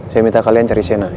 saya minta kalian cari sienna ya